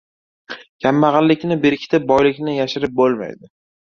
• Kambag‘allikni berkitib, boylikni yashirib bo‘lmaydi.